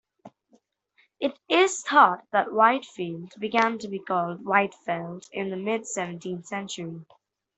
It is thought that Whitfield began to be called 'Whytefeld' in the mid-seventeenth century.